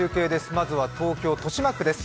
まずは東京・豊島区です。